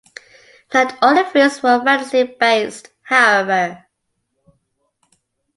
Not all the films were fantasy-based, however.